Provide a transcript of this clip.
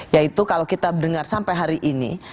yaitu kalau kita dengar sampai hari ini